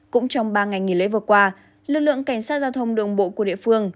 cũng trong ba ngày nghỉ lễ vừa qua lực lượng cảnh sát giao thông đường bộ của địa phương